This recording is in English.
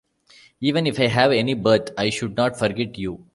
Even if I have any birth, I should not forget you.